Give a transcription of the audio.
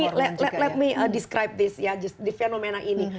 oke jadi let me describe this ya di fenomena ini